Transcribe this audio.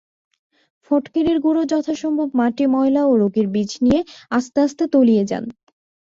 ফটকিরির গুঁড়ো যথাসম্ভব মাটি ময়লা ও রোগের বীজ সঙ্গে নিয়ে আস্তে আস্তে তলিয়ে যান।